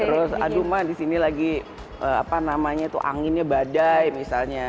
terus aduh mah disini lagi apa namanya tuh anginnya badai misalnya